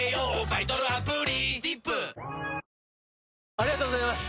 ありがとうございます！